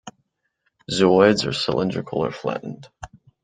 Zooids are cylindrical or flattened.